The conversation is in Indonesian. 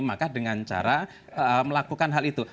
maka dengan cara melakukan hal itu